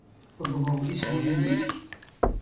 Tewwḍeḍ iswiyen-ik?